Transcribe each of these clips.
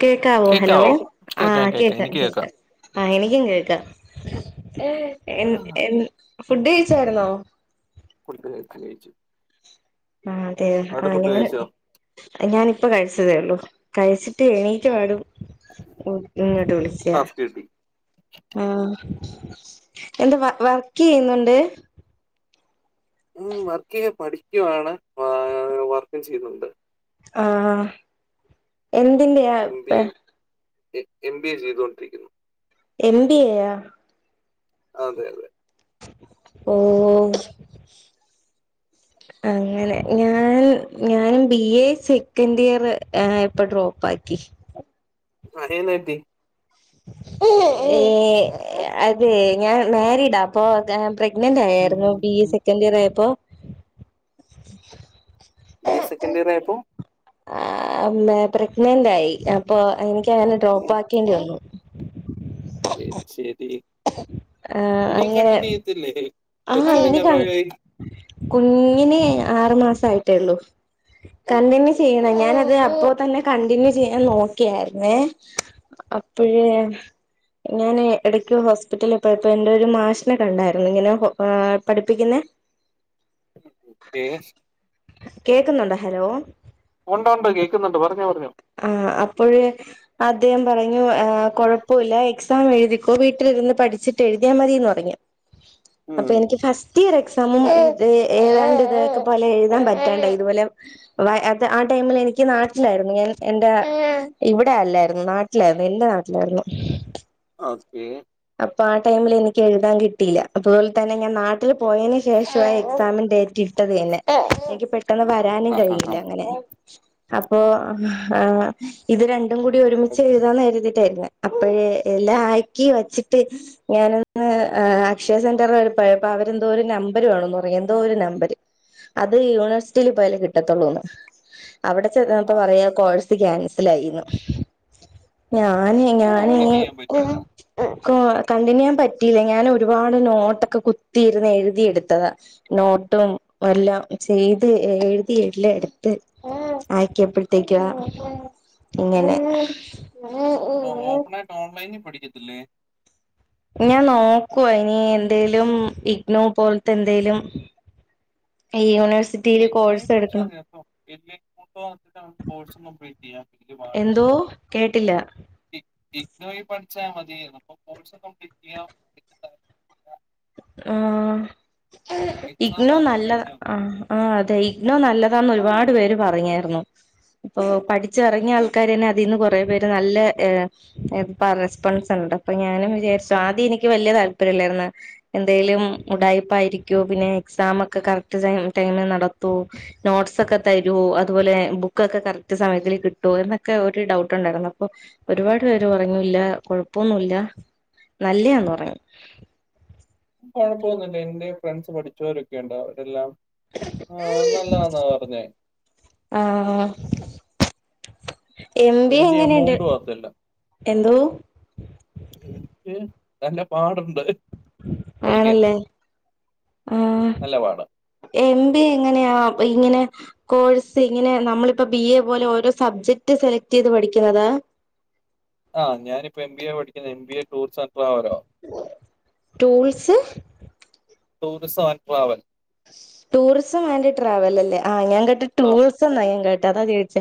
കേക്കാവോ ഹലോ ആ കേക്കാം കേക്കാം കേക്ക എനിക്ക് കേക്കാം കേക്ക ആ എനിക്കും കേൾക്ക എ എന് എന് ഫുഡ് കഴിച്ചായിരുന്നോ [unintelligible] ഫുഡ് കഴിച്ചു ആ അതെ അവിടെ ആ ഫുഡ് ഞാൻ കഴിച്ചോ ഞാനിപ്പ കഴിച്ചതേ ഉള്ളൂ കഴിച്ചിട്ട് എണീക്ക് പടും [unintelligible] വിളിച്ചാ ടാസ്ക് കിട്ടി ആ എന്താ വർ വർക്ക് ചെയ്യുന്നുണ്ട് ഉം വർക്കെയ പഠിക്കുവാണ് [inaudible] വർക്കും ചെയ്യുന്നുണ്ട് ആഹാ എന്തിന്റെയാ എം ബി പെ എ എം ബി എ ചെയ്തുകൊണ്ടിരിക്കുന്നു എം ബി എയാ അതെ അതെ ഓ [inaudible] അങ്ങനെ ഞാൻ ഞാനും ബി എ സെക്കൻഡ് ഇയർ ഇപ്പൊ ഡ്രോപ്പ് ആക്കി. [unintelligible] ഏ അതെ ഞാൻ മാരീഡാ അപ്പൊ. പോ പ്രെഗ്നന്റ് ആയായിരുന്നു. ബി എ സെക്കൻഡ് ഇയർ ആയപ്പോ. ബി എ സെക്കൻ് ഇയർ ആയപ്പോ ആ പ്രഗ്നന്റ് ആയി അപ്പൊ എനിക്ക്ങ്ങനെ ഓക്കെ ഡ്രോപ്പ് ആക്കേണ്ടി വന്നു. ശരി ശരി ആ ഇനിയും അങ്ങനെ കണ്ടിന്യൂ ചെയ്യത്തില്ലേ? ആ കൊച്ചിന്റെ ഇനി കൺ നെവറായി കുഞ്ഞിനെ ആറു മാസം ആയിട്ടേള്ളു. കണ്ടിന്യൂ ചെയ്യണം ഞാന് ഓക്കെ അത് അപ്പോ തന്നെ കണ്ടിന്യൂ ചെയ്യാൻ നോക്കിയായിരുന്നേ. അപ്പോഴേ ഞാൻ എടയ്ക്ക് ഹോസ്പിറ്റലിൽ പോയപ്പോ എന്റെറെ ഒരു മാഷിനെ കണ്ടായിരുന്നു. ഇങ്ങനെ ആ പഠിപ്പിക്കുന്നെ [unintelligible] കേക്കുന്നുണ്ടോ ഹലോ? ഉണ്ടൊണ്ട് കേൾക്കുന്നുണ്ട് പറഞ്ഞോ പറഞ്ഞോ. ആ അപ്പോഴേ അദ്ദേഹം പറഞ്ഞു കൊഴപ്പോല്ല എക്സാം എഴുതിക്കോ വീട്ടിലിരുന്ന് പഠിച്ചിട്ട് എഴുതിയാൽ മതിന്ന് പറഞ്ഞു. അപ്പൊ എനിക്ക് ഫാസ്റ്റ് റ്റിയർ എക്സാമും ഏതാണ്ട് ഇതൊക്കെ പോലെ എഴുതാൻ പറ്റാണ്ടായി. ഇതുപോലെ ആ ടൈമില് എനിക്ക് നാട്ടിലായിരുന്നു. ഞാൻ എന്റെ ഇവിടെയല്ലായിരുന്നു. നാട്ടിലായിരുന്നു. എൻ്റെ നാട്ടിലായിരുന്നു. ഓക്കേ അപ്പൊ ആ ടൈമിൽ എനിക്ക് എുതാൻ കിട്ടില്ല അതുപോലെ തന്നെ ഞാൻ നാട്ടിൽ പോയന് ശേഷ എക് സാമി ഡൈറ്റ് ഇട്ടതിന്എനിക് പെട്ടെന്ന് വാ വരാനും കഴില്ല അങ്ങനെ അപ്പോ ആ ഇത് രണ്ടും കൂടി ഒരുമിച്ച് എഴുതാന്ന് കരുതിയിട്ടായിരുന്നു. അപ്പഴേ എല്ലാം ആക്കി വച്ചി ട്ട് ഞാനൊന്ന് അക്ഷയ സെന്ററിൽ പോയപ്പോ അവര് എന്തോ ഒരു നമ്പര് വേണോന്ന് പറ ഞ്ഞു എന്തോ ഒരു നമ്പര്. അത് യൂണിവേഴ്സിറ്റിയിൽ പോയാലേ കിട്ടത്തുള്ളൂന്ന്. അവിടെ ചെന്നപ്പോ പറയാ കോഴ്സ് ക്യാൻസൽ ആയിന്. ഞാന് ഞാൻനി കണ്ടിന്യൂ ചെയ്യാൻ പറ്റുമല്ല ഇ കണ്ടിനുചൊയൻ പറ്റിയില്ല ഞാൻ ഒരുപാട് നോട്ടൊക്കെ കുത്തിയിരുന്ന് എഴുതി എടുത്തത. നോട്ടും എല്ലാം ചെയ്ത് എഴുതി എല്ലാം എടുത്ത്. അയക്കിയപ്പോഴത്തേക്കു. ഇങ്ങനെ ഇപ്പൊ ഓപ്പൺ ആയിട്ട് ഓൺലൈനിൽ പഠിക്കത്തില്ലേ. ഞാൻ നോക്കു ഇനി എന്തേലും ഇഗ്നു പോലത്തെ എന്തേലും. [inaudible] [unintelligible] കോഴ്സ് പഠിച്ച എടുക്കണം നേട്ടം കോഴ്സ് കപ്ലീറ്റ് ചെയ്യ പാടില്ല എന്തോ കേട്ടില്ല പഠിച്ചാൽ മതി കോഴ്സ് കംപ്ലീറ്റ് ചെയ്യാം ആ എക്സാം ഇഗ്ലു മാത്രം നല്ല പോയി എഴുതിയാൽ മതി ആഹ അതെ ഇഗ്നോനല്ലതാന്ന് ഒരുപാട് പേര് പറഞ്ഞായിരുന്നു. ഓ പഠിച്ച ഇറങ്ങിയ ആൾക്കാര് തന്നെ അതിൽന്ന് കുറ പേര് നല്ല ഹേ [unintelligible] ഉണ്ട് അപ്പൊ ഞാനും വിചാരിച്ചു ആദ്യം എനിക്ക് വലിയ താല്പര്യം ഇല്ലായിരുന്നു. എന്തേലും ഉടായ്പായിരിക്കുവോ പിന്നെ എക്സാം ഒക്കെ കറക്റ്റ് ടൈമിൽ നടതോ? നോട്ട്സ് ഒ ക്കെ തരു അതുപോലെ ബുക്കൊക്കെ കറക്റ്റ് സമയത്തി കിട്ടുവോ എന്നൊക്കെ ഒരു ഡൗട്ട് ഉണ്ടായിരുന്നു. അപ്പോ ഒരുപാട് പേര് പറഞ്ഞു. ഇല്ല കൊഴപ്പൊന്നുല്ല. നല്ലയാന്ന് പറഞ്ഞു. കുഴപ്പമൊന്നുല്ല എന്റെ ഫ്രണ്ട്സ് പഠിച്ചവരൊക്കെ ഉണ്ട്. അവരെല്ലാം. ആഹ നല്ലന്നാ പറഞ്ഞേ. ആഹ് ആ.. എം ബി വലിയ എങ്ങനെയുണ്ട് എമൗണ്ടും ആകത്തില്ല എന്തോ? നിക്ക് നല്ല പാടുണ്ട്. പഠിക്കാൻ ആണല്ലേ ആഹ്. നല്ല പാടാ എം ബി എങ്ങനെയാ? ഇങ്ങനെ കോഴ്സ് ഇങ്ങനെ നമ്മളിപ്പോ ബി എ പോലെ ഓരോ സബ്ജക്ട് സെലക്ട് ചെയ്ത് പഠിക്കുന്നുന്നതാ? ആഹ് ഞാനിപ്പോ എംബി എ പഠിക്കുന്ന എം ബി എ ടൂർസർകൂലാറ.. tools tourism and travel. Tourism and travel അല്ലേ ആ ഞാൻ കേട്ട് ആഹ്. ൾസ് ന്ന ഞാൻ കേട്ട അതാ ചേയിച്ചേ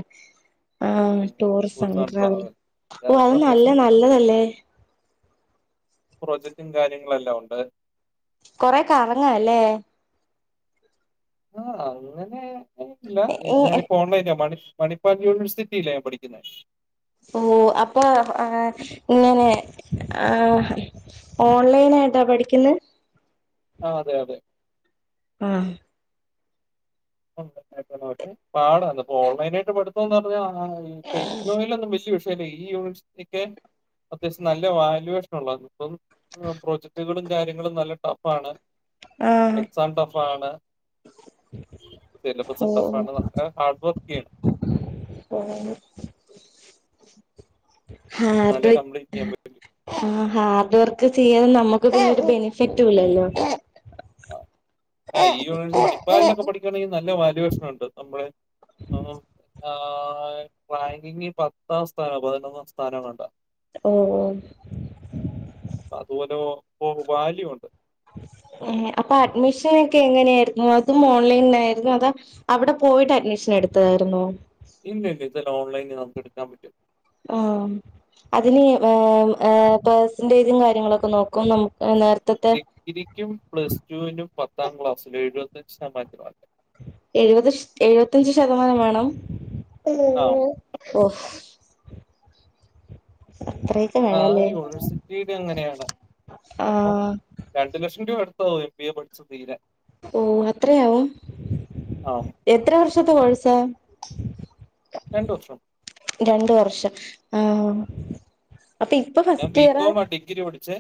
ആഹ് ഉം. Tour some tours and travel ഓഹ് ഇതിനകത്ത് അത് നല്ല അത്യാവശ്യം നല്ലതല്ലേ? പ്രോജക്ടും കാര്യങ്ങളുംല്ലാം ഒണ്ട്. കൊറെ കറങ്ങല്ലേ? ആഹ് അങ്ങനെ ഇല്ല ഞാനിപ്പോ ഒൺലൈന മണി ഫ്.. മണിപ്പാൽ യൂണിവേഴ്സിറ്റില്ലേ പഠിക്കുന്നേ? ഓഹ് അപ്പൊ ആ ഇങ്ങനെ ആ.. ഓൺലൈൻ ആയിട്ടാ പഠിക്കുന്നേ? ആഹ് അതെ അതെ. ആഹ്. [unintelligible] പക്ഷെ പാട ഇ ഓൺലൈനായിട്ട് പഠടുത്തന്ന് പറഞ്ഞാ ഗ് നോയിൽവല്ല്യാ.. ല്ലേ ഈ യൂണിവേഴ്‌സിറ്റിക്ക് അത്യാവശ്യം നല്ല വാല്യൂഷൻ ഉള്ളത ഇപ്പം ഉം പ്രോജക്ടുകളും കാര്യങ്ങളും നല്ല ടഫാണ് ആഹ് എക്സാം ടഫാണ്. സിലബസും ടഫ് ആണ് നല്ല ഹാർഡ് വർക്ക് ചെയ്യണം- ഉം.. എന്നാലേ ഹാർട്വൊയി കംപ്ലീറ്റ് ചെയ്യാൻ പറ്റൂ. ആഹ് ഹാർഡ് വർക്ക് ചെയ്യണ നമ്മക്ക് പിന്നൊരു ബെനിഫിറ്റുല്ലല്ലോ? ആഹ് ഈ യൂണിവേഴ്സ് മണപ്പാലിലൊക്കെ പഠിക്കുവാണെങ്കി നല്ല വാല്യുവേഷൻ ഉണ്ട് നമ്മളെ ഉം. ആഹ് റാങ്കിങ് പത്താം സ്ഥാനോ? പതിനൊന്നാം സ്ഥാനോ ങ്ങാണ്ട. ഓഹ്. അതുപോലെ ഓഹ് ഒ വാല്യുണ്ട്. ഏഹ് അപ്പൊ അഡ്മിഷൻ ഒക്കെ എങ്ങനെയായിരുന്നു അതും ഓൺലൈനിലായിരുന്നൊ അതോ? അവിടെ പോയിട്ട് അഡ്മിഷൻ എടുത്തതായിരുന്നൊ? ഇല്ലില്ല ഇതെല്ലാം ഓൺലൈനിൽ നമുക്ക് എടുക്കാൻ പറ്റും. ഓഹ് അതിന് ഏഹ് ഏഹ് പെർസെന്റേജും കാര്യങ്ങളൊക്കെ നോക്കും നമുക്ക് നേര ഡിഗ്രിക്കും പ്ലസ് ടുവിനും പത്താം ക്ലാസിലും എഴുപത്തഞ്ച് ശതമാനത്തിൽ മാർക്ക്‌ വേണം. എഴുവത് എഴുവത്തയഞ്ച് ശതമാനം വേണം ആഹ്. ഓഹ് അത്രെം ആഹ് രു യൂണിവേഴ്സിറ്റിടെ അങ്ങനെയാണ് അപ്പം ആഹ് രണ്ട് ലക്ഷം രൂപ അടുത്തവരിക്കും എം ബി എ പഠിച്ച് തീരാൻ. ഓഹ് അത്രയാവും? ആ എത്ര വർഷത്തെ കോഴ്സ? രണ്ട് വർഷം. രണ്ട് വർഷംആഹ് അപ്പി ഞാൻ ബികോം ആ ഡിഗ്രി പഠിച്ചേ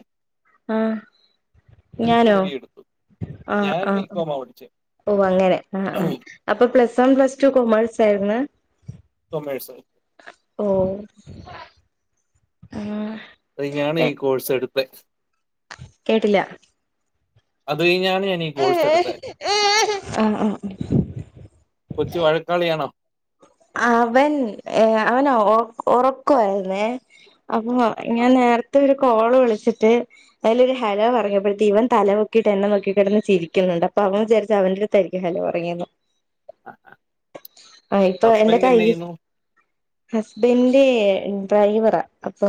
ആഹ്. ഞാനോ എം ബി എ എടുത്തു ആഹ് ഞാൻ ബി ആഹ് കോം ആ പഠിച്ചേ ഓഹ് അങ്ങനെ ആഹ് ആഹ് അപ്പൊ plus one plus two commerce ആയിരുന്ന് കോമേഴ്‌സ് ഓഹ് ആഹ് അത് ഞാന്ഈ ഏ കോഴ്സ് എടുത്തെ കേട്ടില്ല അത് കഴിഞ്ഞാണ് ഞാൻ ഈ കോഴ്സ് ആഹ് എടുത്തെ ആഹ് കൊച്ച് വഴക്കാളിയാണോ അവൻ ഏഹ് അവന് ഒറക്കായിരുന്നേ അപ്പൊ ആ ആ ഞാൻ നേരത്തെ ഒരു കോള് വിളിച്ചിട്ട് അയിലൊരു ഹലോ പറങ്ങപ്പോഴത്തി ഇവൻ തല പൊക്കിട്ട് എന്നെ നോക്കി കിടന്ന് ചിരിക്കുന്നുണ്ട് അപ്പ അവൻ വിചാരിച്ച് അവന്റെടു ത്തായിരിക്കും ഹലോ പറഞ്ഞെന്ന് ആഹ് ആഹ് ഹസ് എന്റെ കയ്യിൽ ഹസ്ബന്റെ ഡ്രൈവറാ അപ്പൊ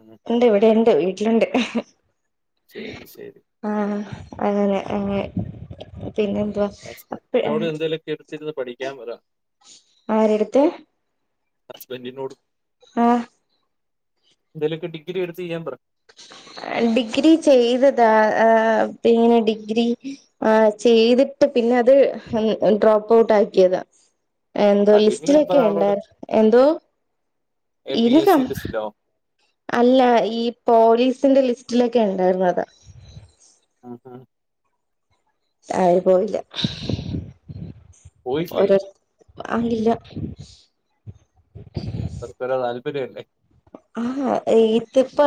ഉം, ഉണ്ട് ഇവിടുണ്ട് വീട്ടിലുണ്ട് ശരി ശരി ആഹ് അങ്ങനെ അ പിന്നെന്തുവാ ഹസ്ബന്റിനോട് എന്തെലൊക്കെടുത്തിരുന്ന് പഠിക്കാൻ പറ ആരെടുത്ത് ഹസ്ബന്റിനോട് ആഹ് എന്തേലൊക്കെ ഡിഗ്രി എടുതെയ്യാൻ പറ ഡിഗ്രി ചെയ്തതാ ആഹ് പിന്നെ ഡിഗ്രി ആ ചെയ്തിട്ട് പിന്നെ അത് ഡ്രോപ്പോട്ടാക്കിയതാ എന്തോ കണ്ടിന്യൂ ചെയ്യാൻ പറ ലിസ്റ്റിലൊക്കെണ്ടാ ആളോട് എന്തോ എ പി എസ് ഇനികം സി ലിസ്റ്റിലോ അല്ല ഈ പോലീസിന്റെ ലിസ്റ്റിലൊക്കെ ഉണ്ടായിരുന്നത് ഉം ഉം ആയിന് പോയില്ല പോയില്ലേ ഓരൊ അലില്ലാ തർതരെ താല്പര്യല്ലേ ആഹ ഇ ത്തിപ്പ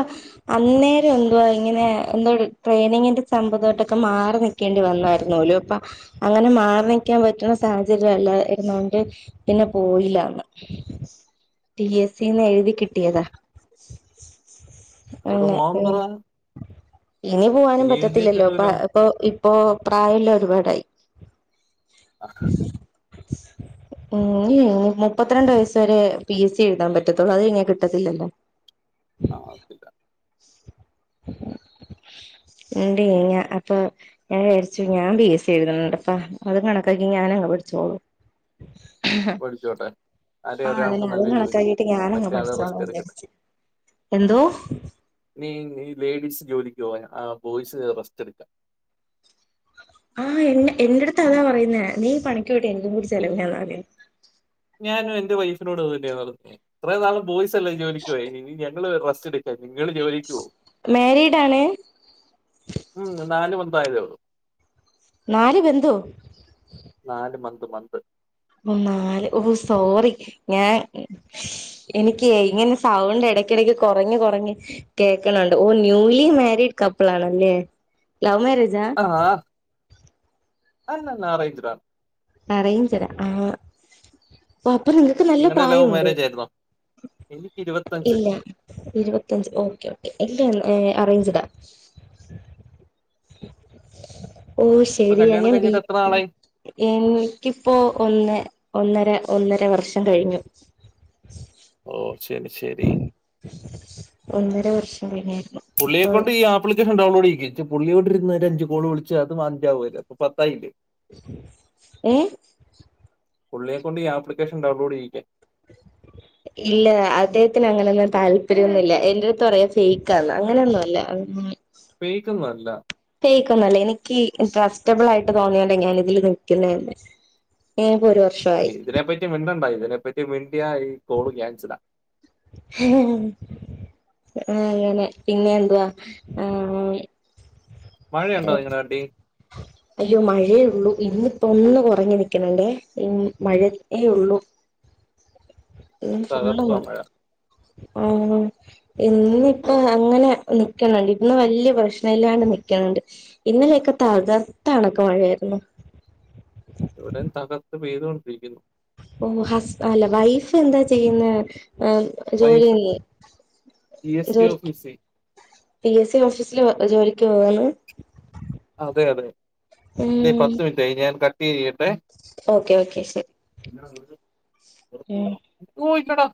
അന്നേരം എന്തുവാ ഇങ്ങനെ എന്തോ ട്രെയിനിങ്ങിന്റെ സംമ്പവായിട്ടൊക്കെ മാറിനി ക്കേണ്ടി വന്നായിരുന്നോലു അപ്പൊ അങ്ങനെ മാറിനിക്കാൻ പറ്റ്ണ സാഹചര്യം അല്ലായിരുന്നോണ്ട് പിന്നെ പോയില്ലാന് പിഎസിന്നെ എഴുതി കിട്ടിയതാ [inaudible] ഓളോട് പോവാൻ പറ ഉം ഇനി പോവാനും എഴുതിയാ പറ്റത്തില്ലല്ലോ പ്പ കിട്ടുമല്ലോ ഇപ്പോ ഇപ്പോ പ്രായല്ല ഒരുപാടായി അ ഹ് ഉം ഇനി മുപ്പത്ത്രണ്ട് വയസ് വരെ പിഎസ്സി എഴുതാൻ പറ്റത്തുള്ളൂ അത് കഴിഞ്ഞാ കിട്ടത്തില്ലല്ലോ ആവത്തില്ല [inaudible] [unintelligible] അപ്പൊ ഞാൻ വിചാരിച്ചു ഞാൻ പിഎസി എഴുതുന്നുണ്ടപ്പ അതും കണക്കാക്കി ഞാനങ്ങ് പഠിച്ചോളു പഠിച്ചോട്ടെ ആരെ ആഹ് ഒരാൾക്ക് അതന്നെ നല്ല ജോലി അതുംകണക്കാകീട്ട് ഞാനങ്ങ് മറ്റേ ആള് പഠിച്ചോളും റെസ്റ്റ് എടുക്കട്ടെ വിചാരിച്ച് എന്തോ ഇനി ഈ ലേഡീസ് ജോലിക്ക് പോയ ആ ബോയ്സ് റസ്റ്റെടുക്കാ ആഹ് എന്നെ എന്റെടുത്ത് അതാ പറയുന്നേ നീ പണിക്കോയിട്ട് എനിക്ക് ചെലവിനന്നാതീന് ഞാനും എന്റെ വൈഫിനോട് അതന്നെയാ പറഞ്ഞെ ഇത്രനാള് ബോയ്സല്ലേ ജോലിക്ക് പോയി ഇനിഞാ നങ്ങള് റസ്റ്റ് എടുക്കാ നിങ്ങള് ജോലിക്കുപോ മേരീഡാണ് ഉം നാല് മന്തായതേഒള്ളൂ നാല് ബന്ധോ നാല് മന്ത് മന്ത് ഓ നാല് ഓ സോറി ഞാൻ എനിക്കെ ഇങ്ങനെ സൗണ്ട് എടയ്ക്കെടയ്ക്ക് കൊറഞ് കൊറഞ് കേൾക്ക്ണണ്ട് ഓ ന്യൂലി മാരീഡ് കപ്പിളാണല്ലേ ലൗവ് മേരേജാ ആഹ് അല്ലല്ല അറേഞ്ച്ഡാ അറേഞ്ച്ഡാ ആഹ് അപ്പൊ നിങ്ങക്ക് നല്ല നിങ്ങടെ ലവ് പ്രായോണ്ട് മാരേജ് ആയിരുന്നോ? എനിക്ക് ഇല്ലാ ഇരുപത്തഞ്ച് ഓക്കെ ഓക്കെ ഇല്ലാ അറേഞ്ച്ടാ ഇപ്പൊ ശരിയാ കല്യാണം ഞാൻ ബി കഴിഞ്ഞിട്ട് എത്ര നാളായി എനിക്കിപ്പോ ഒന്ന് ഒന്നര ഒന്നര വർഷംകഴിഞ്ഞു ഓ ശരി ശരി ഒന്നര വർഷം കഴിഞ്ഞായിരുന്നു ഇപ്പൊ പുള്ളിയെക്കൊണ്ട് ഈ ആപ്പ് പുള്ളിക്കാരുണ്ടാവുമ്പൊള് ഇരുത്ത് പുള്ളിയെകൊണ്ട് [unintelligible] ഒരഅഞ്ച് കോള് വിളിച്ചാ അത് [unintelligible] അപ്പൊപത്തായില്ലേ ഏഹ് പുള്ളിയെ കൊണ്ട് ഈആപ്ലിക്കേഷൻ ഡൗൺലോഡെയ്യിക്കാൻ ഇല്ല അദ്ദേഹത്തിന് അങ്ങനൊന്നും താല്പര്യംന്നുല്ല എന്റെ അടുത്തറിയും ഫേക്കാന്ന് അങ്ങനൊന്നും ഇല്ല ഫേക്കൊന്നല്ല തേക്കൊന്നല്ല എനിക്ക് ട്രസ്റ്റബിളായിട്ട് തോന്നിയെതെഞ്ഞാല് ഇതില് നിക്ക്ന്നെ ഏം പോരോ അ ഇതിനെപ്പറ്റി മിണ്ടണ്ട ഇതിനെപ്പറ്റി മിണ്ടിയാല് കോള് ക്യാൻസലാ ആ അങ്ങനെ പിന്നെ എന്തുവാ ആ മഴയൊണ്ടോ നിങ്ങടെ നാട്ടി അയ്യോ മഴയേള്ളൂ ഇന്ന്പ്പോ ഒന്ന് കൊറഞ് നിക്ക്ണ് ണ്ടേ മഴയേ ഉള്ളൂ പനി ഇന്ന് ഫുള്ള് പകർത്തോ മഴ ആഹ് ഇന്നിപ്പോ അങ്ങനെ നിക്കണ് ഇന്ന് വല്ല്യ പ്രശ്നല്ലാണ്ട് നിക്കണ് ണ്ട് ഇന്നലെയൊക്കെ താകർത്താണൊക്കെ മഴയായ്രുന്നു ഇവിടേം തകർത്ത് പെയ്തോണ്ടിരിക്കുന്നു ഓ ഹസ്ബ അല്ല വൈഫ് എന്താ ചെയ്യുന്നേ ഉം വൈഫ് ജോലിയില്ലേ ജി എസ് ടി ജോലിക്ക് ഓഫീസിൽ പി എസ് സി ഓഫീസില് ജോലിക്ക് പോവാണ് അതെ അതെ ഇതെ ഉം പത്ത് മിൻറ്റായി ഇനി ഞാൻ കട്ട് ചെയ്യട്ടെ ഓക്കെ ഓക്കെ ശരി ഉം ഇസ്‌കൂൾ ണ്ടടേ